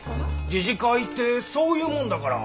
自治会ってそういうもんだから。